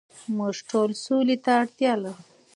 موږ ټول سولې ته اړتیا لرو.